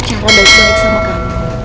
jangan baik baik sama kakak